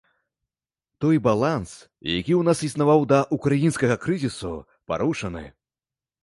Той баланс, які ў нас існаваў да ўкраінскага крызісу, парушаны.